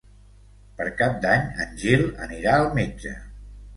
Per Cap d'Any en Gil anirà al metge.